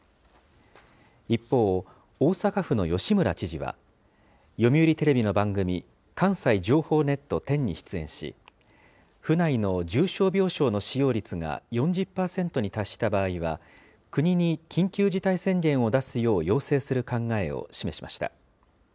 一方、大阪府の吉村知事は、読売テレビの番組、かんさい情報ネットｔｅｎ．に出演し、府内の重症病床の使用率が４０％に達した場合は、国に緊急事態宣言を出すよう要請する考えを示しました。